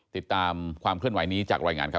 ติดตามความเคลื่อนไหวนี้จากรายงานครับ